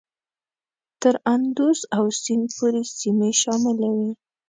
تر اندوس او سیند پورې سیمې شاملي وې.